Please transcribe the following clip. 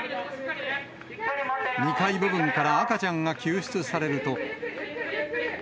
２階部分から赤ちゃんが救出されると。